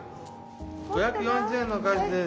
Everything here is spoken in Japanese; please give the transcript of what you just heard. ５４０円のお返しです。